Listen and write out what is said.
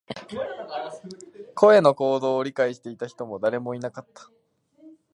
彼の行動を理解していた人も誰もいなかった